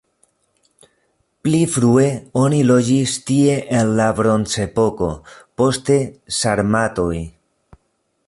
Pli frue oni loĝis tie en la bronzepoko, poste sarmatoj.